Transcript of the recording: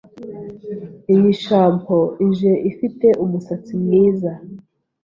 Iyi shampoo ije ifite umusatsi mwiza.